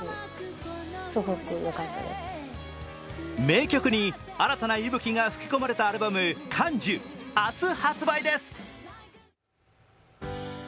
名曲に新たな息吹が吹き込まれたアルバム、「感受」明日発売です。